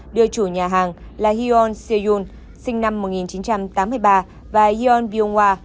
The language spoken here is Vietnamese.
đưa chủ nhà hàng là hyun se yoon sinh năm một nghìn chín trăm tám mươi ba và hyun byung hwa